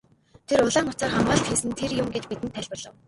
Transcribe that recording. Тэр улаан утсаар хамгаалалт хийсэн нь тэр юм гэж бидэнд тайлбарлав.